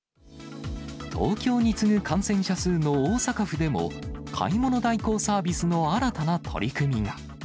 東京に次ぐ感染者数の大阪府でも、買い物代行サービスの新たな取り組みが。